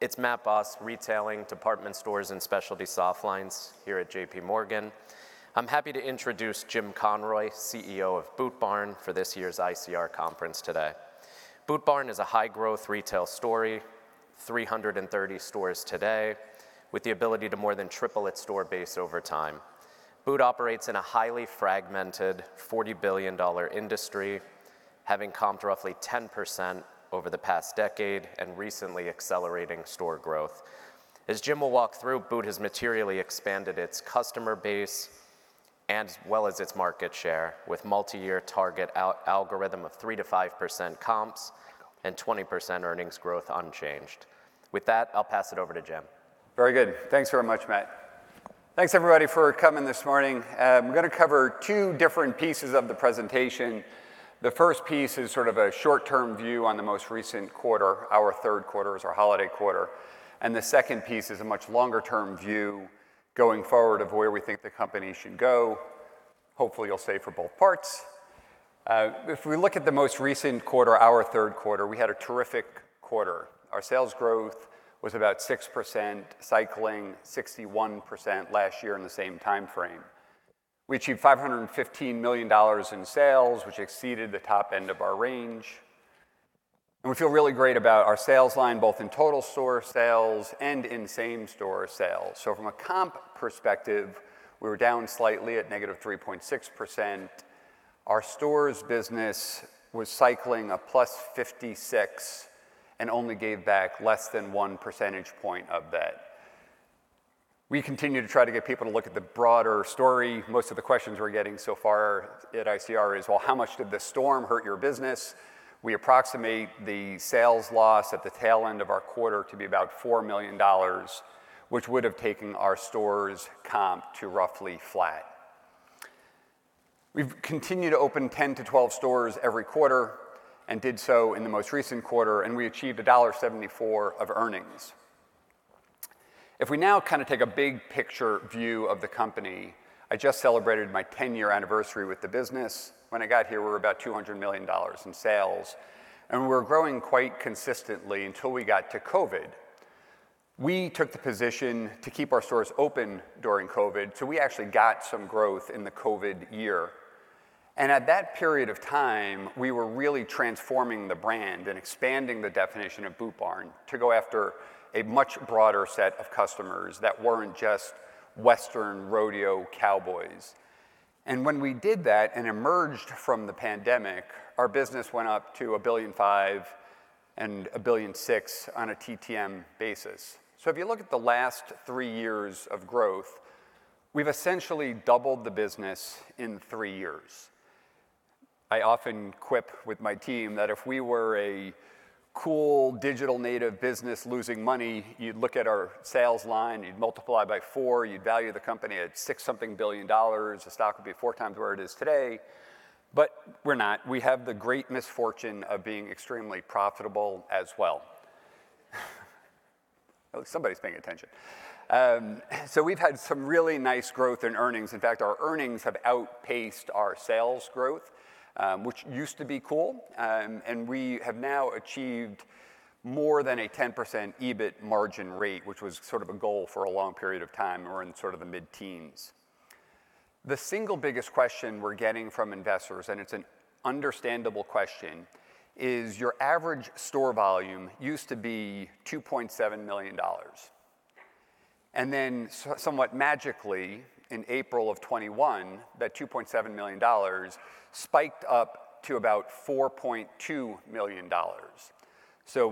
It's Matt Boss, Retailing, Department Stores and Specialty Softlines here at JPMorgan. I'm happy to introduce Jim Conroy, CEO of Boot Barn, for this year's ICR conference today. Boot Barn is a high-growth retail story, 330 stores today, with the ability to more than triple its store base over time. Boot operates in a highly fragmented $40 billion industry, having comped roughly 10% over the past decade and recently accelerating store growth. As Jim will walk through, Boot has materially expanded its customer base as well as its market share, with multi-year target algorithm of 3%-5% comps and 20% earnings growth unchanged. With that, I'll pass it over to Jim. Very good. Thanks very much, Matt. Thanks everybody for coming this morning. We're gonna cover two different pieces of the presentation. The first piece is sort of a short-term view on the most recent quarter. Our third quarter is our holiday quarter. The second piece is a much longer-term view going forward of where we think the company should go. Hopefully, you'll stay for both parts. If we look at the most recent quarter, our third quarter, we had a terrific quarter. Our sales growth was about 6%, cycling 61% last year in the same timeframe. We achieved $515 million in sales, which exceeded the top end of our range. We feel really great about our sales line, both in total store sales and in same-store sales. From a comp perspective, we were down slightly at -3.6%. Our stores business was cycling a +56 and only gave back less than 1 percentage point of that. We continue to try to get people to look at the broader story. Most of the questions we're getting so far at ICR is, "Well, how much did the storm hurt your business?" We approximate the sales loss at the tail end of our quarter to be about $4 million, which would have taken our stores comp to roughly flat. We've continued to open 10-12 stores every quarter and did so in the most recent quarter, and we achieved $1.74 of earnings. If we now kinda take a big picture view of the company, I just celebrated my 10-year anniversary with the business. When I got here, we were about $200 million in sales. We were growing quite consistently until we got to COVID. We took the position to keep our stores open during COVID. We actually got some growth in the COVID year. At that period of time, we were really transforming the brand and expanding the definition of Boot Barn to go after a much broader set of customers that weren't just Western rodeo cowboys. When we did that and emerged from the pandemic, our business went up to $1.5 billion and $1.6 billion on a TTM basis. If you look at the last 3 years of growth, we've essentially doubled the business in 3 years. I often quip with my team that if we were a cool digital native business losing money, you'd look at our sales line, you'd multiply by 4, you'd value the company at $6-something billion. The stock would be 4x where it is today. We're not. We have the great misfortune of being extremely profitable as well. Somebody's paying attention. We've had some really nice growth in earnings. In fact, our earnings have outpaced our sales growth, which used to be cool. We have now achieved more than a 10% EBIT margin rate, which was sort of a goal for a long period of time. We're in sort of the mid-teens. The single biggest question we're getting from investors, and it's an understandable question, is your average store volume used to be $2.7 million. Somewhat magically, in April of 2021, that $2.7 million spiked up to about $4.2 million.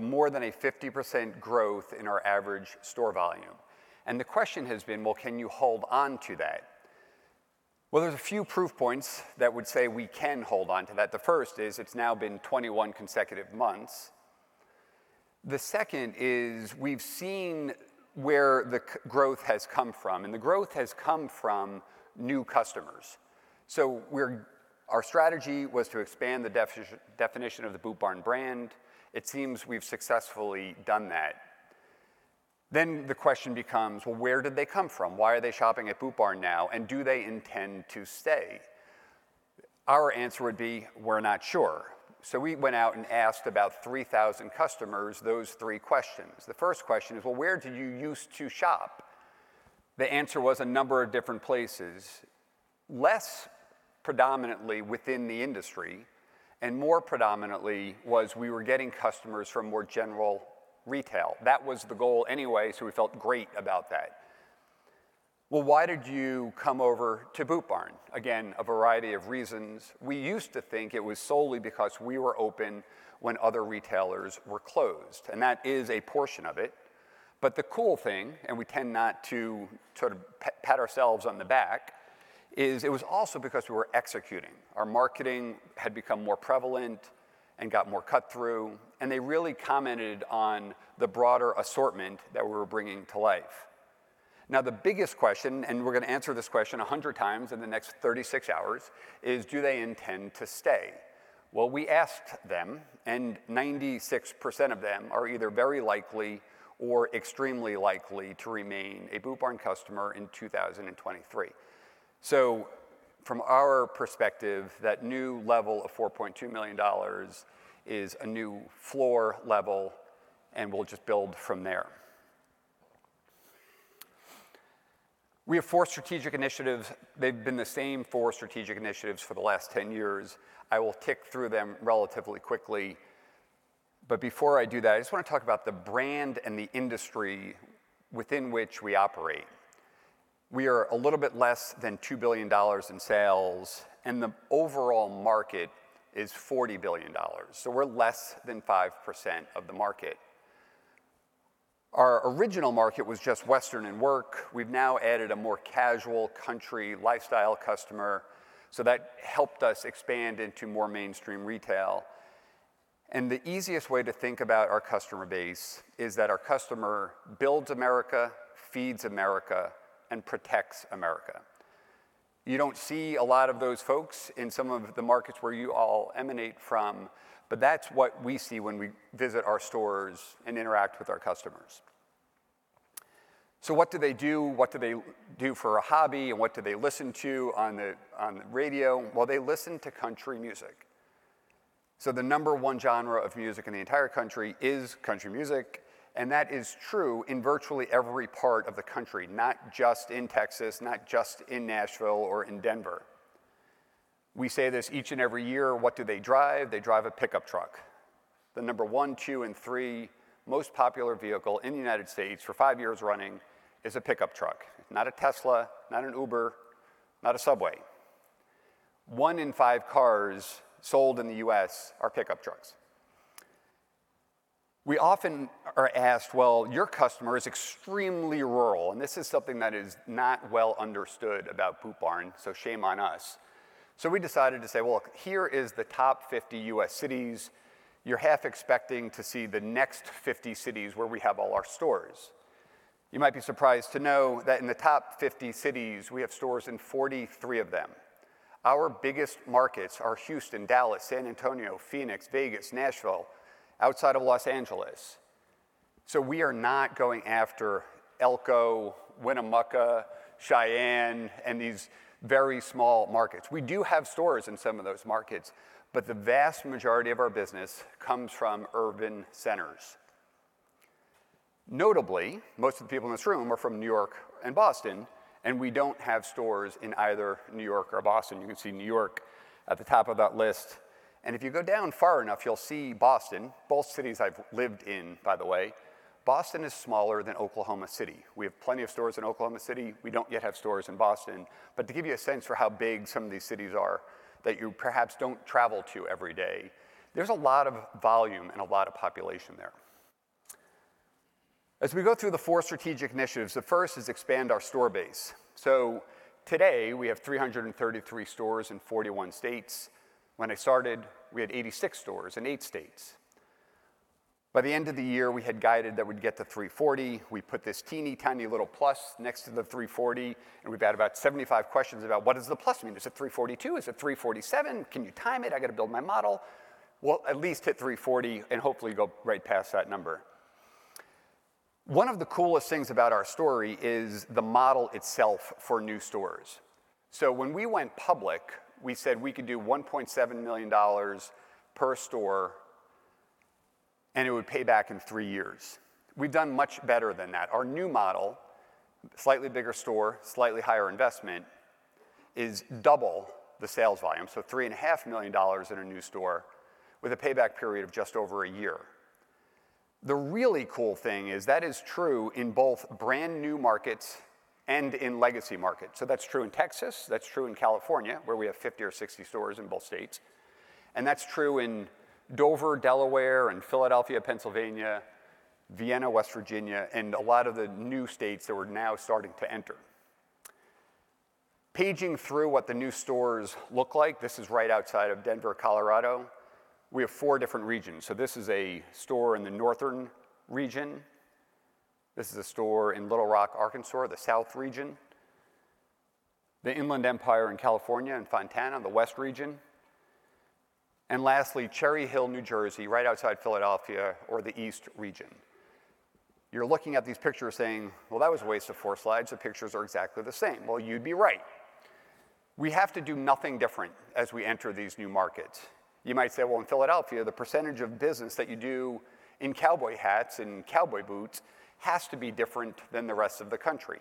More than a 50% growth in our average store volume. The question has been, well, can you hold on to that? Well, there's a few proof points that would say we can hold on to that. The first is it's now been 21 consecutive months. The second is we've seen where the growth has come from, and the growth has come from new customers. Our strategy was to expand the definition of the Boot Barn brand. It seems we've successfully done that. The question becomes, well, where did they come from? Why are they shopping at Boot Barn now, and do they intend to stay? Our answer would be, we're not sure. We went out and asked about 3,000 customers those three questions. The first question is, well, where did you use to shop? The answer was a number of different places. Less predominantly within the industry, and more predominantly was we were getting customers from more general retail. That was the goal anyway, so we felt great about that. Why did you come over to Boot Barn? Again, a variety of reasons. We used to think it was solely because we were open when other retailers were closed. That is a portion of it. The cool thing, and we tend not to sort of pat ourselves on the back, is it was also because we were executing. Our marketing had become more prevalent and got more cut through, and they really commented on the broader assortment that we were bringing to life. The biggest question, and we're gonna answer this question 100 times in the next 36 hours, is do they intend to stay? We asked them, and 96% of them are either very likely or extremely likely to remain a Boot Barn customer in 2023. From our perspective, that new level of $4.2 million is a new floor level, and we'll just build from there. We have four strategic initiatives. They've been the same four strategic initiatives for the last 10 years. I will tick through them relatively quickly. Before I do that, I just want to talk about the brand and the industry within which we operate. We are a little bit less than $2 billion in sales, and the overall market is $40 billion. We're less than 5% of the market. Our original market was just Western and work. We've now added a more casual country lifestyle customer, that helped us expand into more mainstream retail. The easiest way to think about our customer base is that our customer builds America, feeds America, and protects America. You don't see a lot of those folks in some of the markets where you all emanate from, that's what we see when we visit our stores and interact with our customers. What do they do? What do they do for a hobby? What do they listen to on the radio? Well, they listen to country music. The number 1 genre of music in the entire country is country music, that is true in virtually every part of the country, not just in Texas, not just in Nashville or in Denver. We say this each and every year. What do they drive? They drive a pickup truck. The number 1, 2, and 3 most popular vehicle in the U.S. for 5 years running is a pickup truck. Not a Tesla, not an Uber, not a subway. 1 in 5 cars sold in the U.S. are pickup trucks. We often are asked, "Well, your customer is extremely rural," and this is something that is not well understood about Boot Barn, so shame on us. We decided to say, "Well, here is the top 50 U.S. cities." You're half expecting to see the next 50 cities where we have all our stores. You might be surprised to know that in the top 50 cities, we have stores in 43 of them. Our biggest markets are Houston, Dallas, San Antonio, Phoenix, Vegas, Nashville, outside of Los Angeles. We are not going after Elko, Winnemucca, Cheyenne, and these very small markets. We do have stores in some of those markets, the vast majority of our business comes from urban centers. Notably, most of the people in this room are from New York and Boston, we don't have stores in either New York or Boston. You can see New York at the top of that list, if you go down far enough, you'll see Boston. Both cities I've lived in, by the way. Boston is smaller than Oklahoma City. We have plenty of stores in Oklahoma City. We don't yet have stores in Boston. To give you a sense for how big some of these cities are that you perhaps don't travel to every day, there's a lot of volume and a lot of population there. As we go through the four strategic initiatives, the first is expand our store base. Today we have 333 stores in 41 states. When I started, we had 86 stores in eight states. By the end of the year, we had guided that we'd get to 340. We put this teeny tiny little plus next to the 340, and we've had about 75 questions about what does the plus mean. Is it 342? Is it 347? Can you time it? I got to build my model. We'll at least hit 340 and hopefully go right past that number. One of the coolest things about our story is the model itself for new stores. When we went public, we said we could do $1.7 million per store, and it would pay back in three years. We've done much better than that. Our new model, slightly bigger store, slightly higher investment, is double the sales volume. Three and a half million dollars in a new store with a payback period of just over 1 year. The really cool thing is that is true in both brand-new markets and in legacy markets. That's true in Texas, that's true in California, where we have 50 or 60 stores in both states. That's true in Dover, Delaware, and Philadelphia, Pennsylvania, Vienna, West Virginia, and a lot of the new states that we're now starting to enter. Paging through what the new stores look like. This is right outside of Denver, Colorado. We have 4 different regions. This is a store in the northern region. This is a store in Little Rock, Arkansas, the south region. The Inland Empire in California, in Fontana, the west region. Lastly, Cherry Hill, New Jersey, right outside Philadelphia or the east region. You're looking at these pictures saying, "Well, that was a waste of 4 slides. The pictures are exactly the same." You'd be right. We have to do nothing different as we enter these new markets. You might say, "Well, in Philadelphia, the percentage of business that you do in cowboy hats and cowboy boots has to be different than the rest of the country."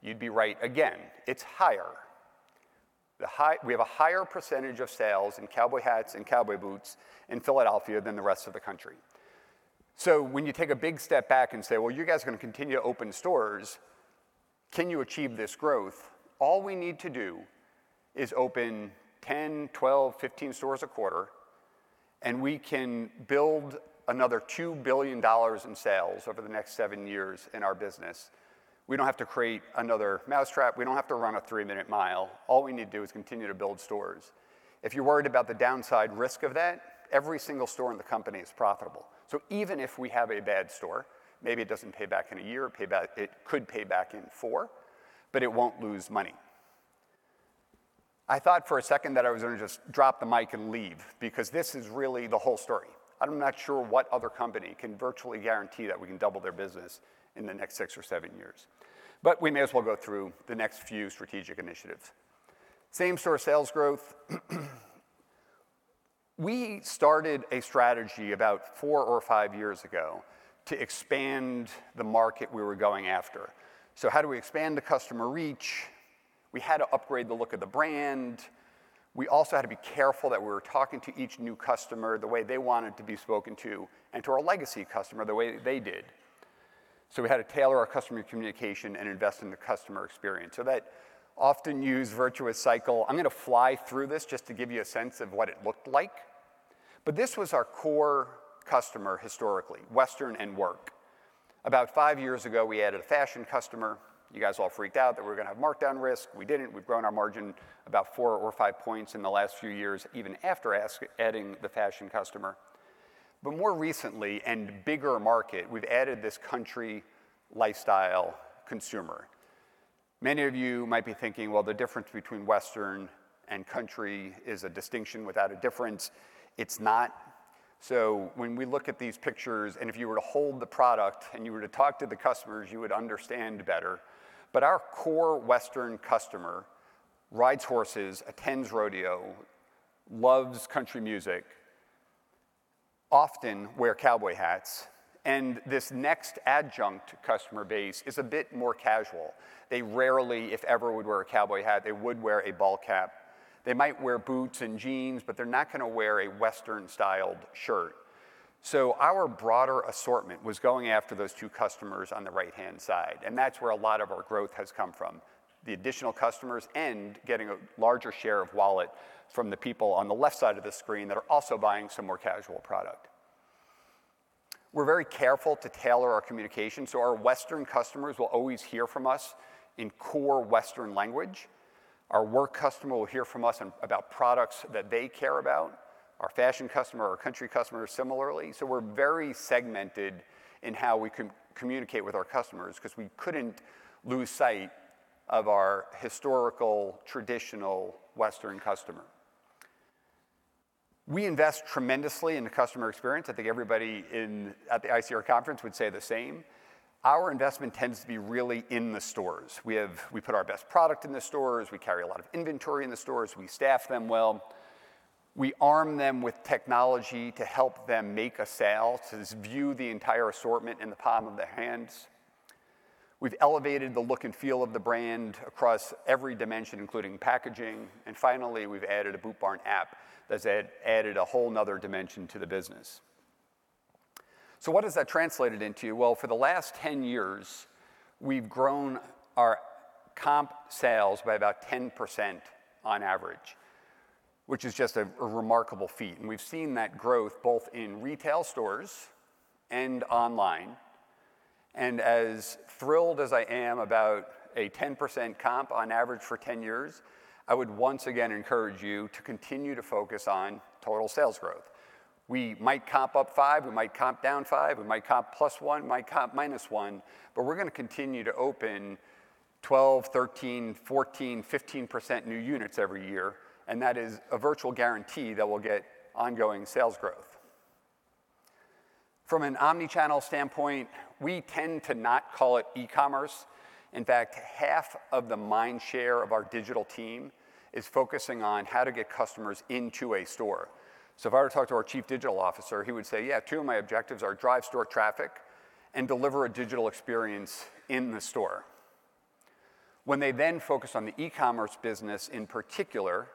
You'd be right again. It's higher. We have a higher percentage of sales in cowboy hats and cowboy boots in Philadelphia than the rest of the country. When you take a big step back and say, "Well, you guys are going to continue to open stores. Can you achieve this growth? All we need to do is open 10, 12, 15 stores a quarter, and we can build another $2 billion in sales over the next seven years in our business. We don't have to create another mousetrap. We don't have to run a three-minute mile. All we need to do is continue to build stores. If you're worried about the downside risk of that, every single store in the company is profitable. Even if we have a bad store, maybe it doesn't pay back in a year, it could pay back in four, but it won't lose money. I thought for a second that I was gonna just drop the mic and leave because this is really the whole story. I'm not sure what other company can virtually guarantee that we can double their business in the next six or seven years. We may as well go through the next few strategic initiatives. Same-store sales growth. We started a strategy about four or five years ago to expand the market we were going after. How do we expand the customer reach? We had to upgrade the look of the brand. We also had to be careful that we were talking to each new customer the way they wanted to be spoken to, and to our legacy customer the way they did. We had to tailor our customer communication and invest in the customer experience. That often used virtuous cycle. I'm gonna fly through this just to give you a sense of what it looked like. This was our core customer historically, Western and work. About 5 years ago, we added a fashion customer. You guys all freaked out that we were gonna have markdown risk. We didn't. We've grown our margin about 4 or 5 points in the last few years, even after adding the fashion customer. More recently, and bigger market, we've added this country lifestyle consumer. Many of you might be thinking, well, the difference between Western and country is a distinction without a difference. It's not. When we look at these pictures, and if you were to hold the product and you were to talk to the customers, you would understand better. Our core Western customer rides horses, attends rodeo, loves country music, often wear cowboy hats, and this next adjunct customer base is a bit more casual. They rarely, if ever, would wear a cowboy hat. They would wear a ball cap. They might wear boots and jeans, but they're not gonna wear a Western-styled shirt. Our broader assortment was going after those two customers on the right-hand side, and that's where a lot of our growth has come from, the additional customers and getting a larger share of wallet from the people on the left side of the screen that are also buying some more casual product. We're very careful to tailor our communication, so our Western customers will always hear from us in core Western language. Our work customer will hear from us about products that they care about. Our fashion customer, our country customer, similarly. We're very segmented in how we communicate with our customers because we couldn't lose sight of our historical, traditional Western customer. We invest tremendously in the customer experience. I think everybody at the ICR conference would say the same. Our investment tends to be really in the stores. We put our best product in the stores. We carry a lot of inventory in the stores. We staff them well. We arm them with technology to help them make a sale, to view the entire assortment in the palm of their hands. We've elevated the look and feel of the brand across every dimension, including packaging. Finally, we've added a Boot Barn app that's added a whole 'nother dimension to the business. What has that translated into? For the last 10 years, we've grown our comp sales by about 10% on average, which is just a remarkable feat. We've seen that growth both in retail stores and online. As thrilled as I am about a 10% comp on average for 10 years, I would once again encourage you to continue to focus on total sales growth. We might comp up 5, we might comp down 5, we might comp +1, might comp -1, but we're gonna continue to open 12%, 13%, 14%, 15% new units every year, and that is a virtual guarantee that we'll get ongoing sales growth. From an omnichannel standpoint, we tend to not call it e-commerce. In fact, half of the mind share of our digital team is focusing on how to get customers into a store. If I were to talk to our chief digital officer, he would say, "Yeah, two of my objectives are drive store traffic and deliver a digital experience in the store." When they then focus on the e-commerce business in particular,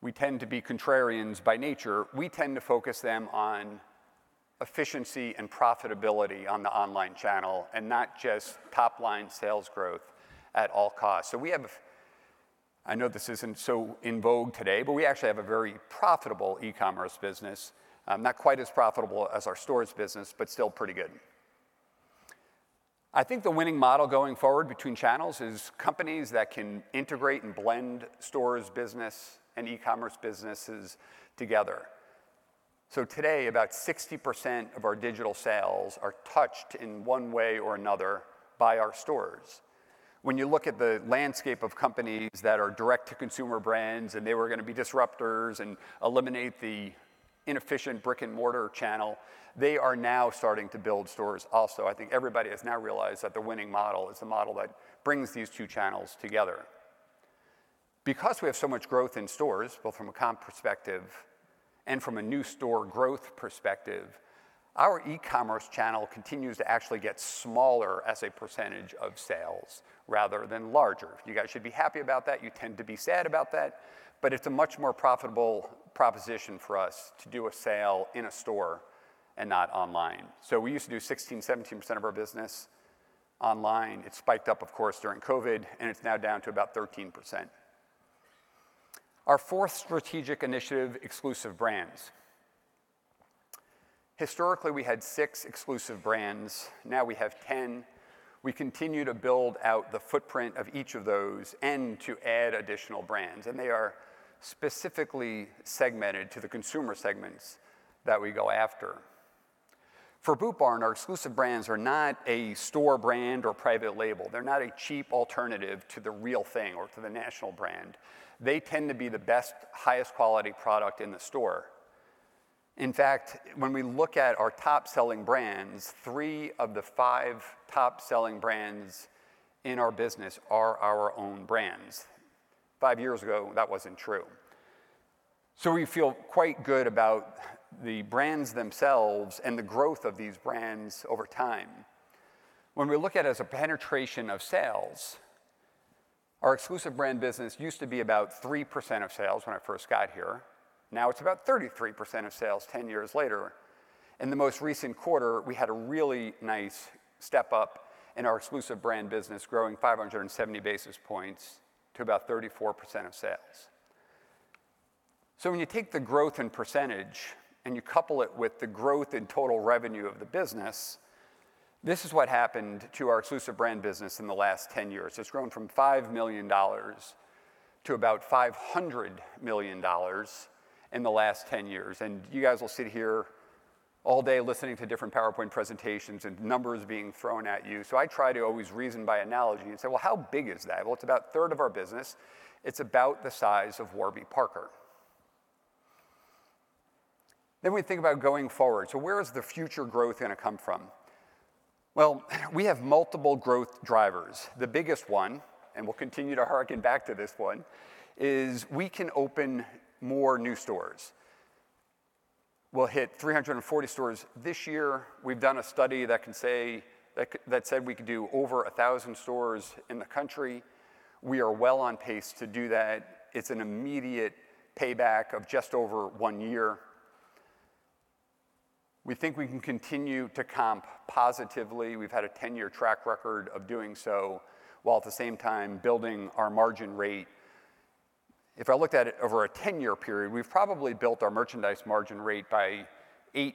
we tend to be contrarians by nature, we tend to focus them on efficiency and profitability on the online channel and not just top-line sales growth at all costs. I know this isn't so in vogue today, but we actually have a very profitable e-commerce business. Not quite as profitable as our stores business, but still pretty good. I think the winning model going forward between channels is companies that can integrate and blend stores business and e-commerce businesses together. Today, about 60% of our digital sales are touched in one way or another by our stores. When you look at the landscape of companies that are direct-to-consumer brands, and they were gonna be disruptors and eliminate the inefficient brick-and-mortar channel, they are now starting to build stores also. I think everybody has now realized that the winning model is the model that brings these two channels together. Because we have so much growth in stores, both from a comp perspective and from a new store growth perspective, our e-commerce channel continues to actually get smaller as a % of sales rather than larger. You guys should be happy about that. You tend to be sad about that, it's a much more profitable proposition for us to do a sale in a store and not online. We used to do 16%-17% of our business online. It spiked up, of course, during COVID, and it's now down to about 13%. Our fourth strategic initiative, exclusive brands. Historically, we had 6 exclusive brands. Now we have 10. We continue to build out the footprint of each of those and to add additional brands. They are specifically segmented to the consumer segments that we go after. For Boot Barn, our exclusive brands are not a store brand or private label. They're not a cheap alternative to the real thing or to the national brand. They tend to be the best, highest quality product in the store. In fact, when we look at our top-selling brands, 3 of the 5 top-selling brands in our business are our own brands. 5 years ago, that wasn't true. We feel quite good about the brands themselves and the growth of these brands over time. When we look at it as a penetration of sales, our exclusive brand business used to be about 3% of sales when I first got here. Now it's about 33% of sales 10 years later. In the most recent quarter, we had a really nice step-up in our exclusive brand business, growing 570 basis points to about 34% of sales. When you take the growth in percentage, and you couple it with the growth in total revenue of the business, this is what happened to our exclusive brand business in the last 10 years. It's grown from $5 million to about $500 million in the last 10 years. You guys will sit here all day listening to different PowerPoint presentations and numbers being thrown at you. I try to always reason by analogy and say, "How big is that?" It's about a third of our business. It's about the size of Warby Parker. We think about going forward. Where is the future growth gonna come from? We have multiple growth drivers. The biggest one, and we'll continue to harken back to this one, is we can open more new stores. We'll hit 340 stores this year. We've done a study that said we could do over 1,000 stores in the country. We are well on pace to do that. It's an immediate payback of just over one year. We think we can continue to comp positively. We've had a 10-year track record of doing so, while at the same time building our margin rate. If I looked at it over a 10-year period, we've probably built our merchandise margin rate by 8+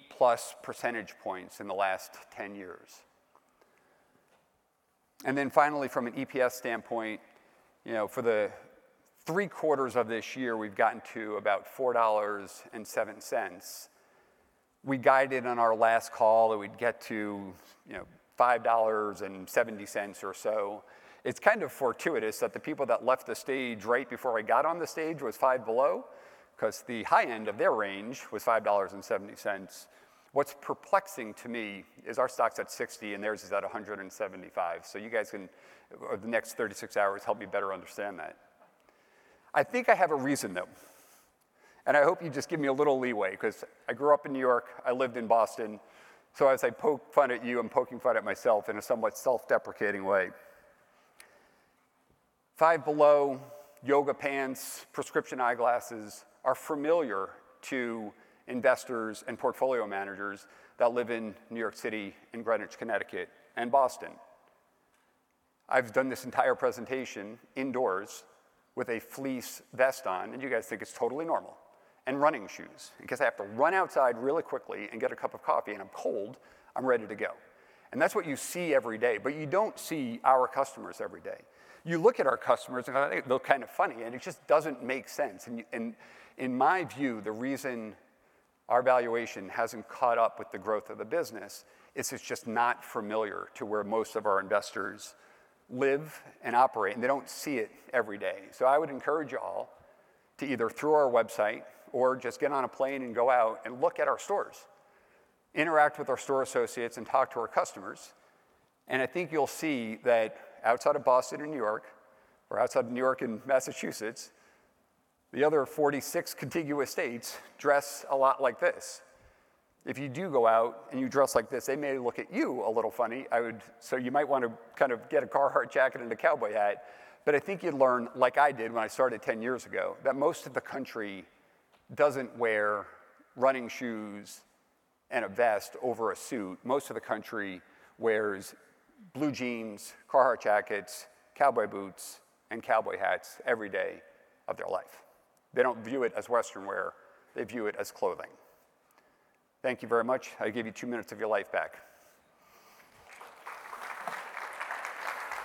percentage points in the last 10 years. Finally, from an EPS standpoint, you know, for the three quarters of this year, we've gotten to about $4.07. We guided on our last call that we'd get to, you know, $5.70 or so. It's kind of fortuitous that the people that left the stage right before we got on the stage was Five Below 'cause the high end of their range was $5.70. What's perplexing to me is our stock's at 60, and theirs is at 175. You guys can, over the next 36 hours, help me better understand that. I think I have a reason, though, and I hope you just give me a little leeway 'cause I grew up in New York, I lived in Boston, so as I poke fun at you, I'm poking fun at myself in a somewhat self-deprecating way. Five Below yoga pants, prescription eyeglasses are familiar to investors and portfolio managers that live in New York City and Greenwich, Connecticut and Boston. I've done this entire presentation indoors with a fleece vest on. You guys think it's totally normal, and running shoes. In case I have to run outside really quickly and get a cup of coffee and I'm cold, I'm ready to go. That's what you see every day, but you don't see our customers every day. You look at our customers and go, "They look kind of funny," and it just doesn't make sense. In my view, the reason our valuation hasn't caught up with the growth of the business is it's just not familiar to where most of our investors live and operate, and they don't see it every day. I would encourage you all to either through our website or just get on a plane and go out and look at our stores, interact with our store associates, and talk to our customers, and I think you'll see that outside of Boston and New York or outside of New York and Massachusetts, the other 46 contiguous states dress a lot like this. If you do go out and you dress like this, they may look at you a little funny. You might wanna kind of get a Carhartt jacket and a cowboy hat. I think you'd learn, like I did when I started 10 years ago, that most of the country doesn't wear running shoes and a vest over a suit. Most of the country wears blue jeans, Carhartt jackets, cowboy boots, and cowboy hats every day of their life. They don't view it as Western wear. They view it as clothing. Thank you very much. I give you two minutes of your life back.